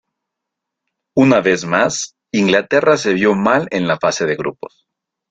Una vez más Inglaterra se vio mal en la fase de grupos.